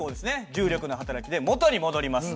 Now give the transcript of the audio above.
重力の働きで元に戻ります。